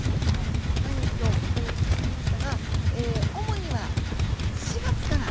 「毎日」とここに書きましたが主には４月から。